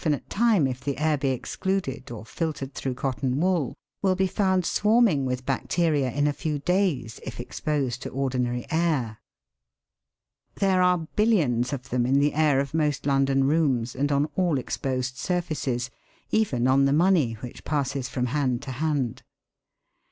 nite time if the air be excluded or filtered through cotton wool, will be found swarming with bacteria in a few days, if exposed to ordinary air. There are billions of them in the air of most London rooms and on all exposed surfaces, even on the money which passes from hand to hand.